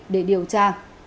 để điều tra